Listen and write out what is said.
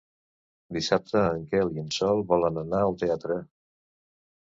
Dissabte en Quel i en Sol volen anar al teatre.